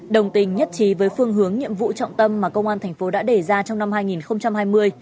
đồng tình nhất trí với phương hướng nhiệm vụ trọng tâm mà công an thành phố đã đề ra trong năm hai nghìn hai mươi